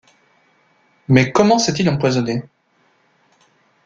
Mais comment s’est-il empoisonné?